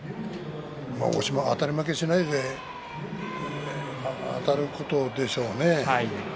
あたり負けしないであたることでしょうね。